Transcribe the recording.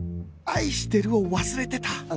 「愛してる」を忘れてた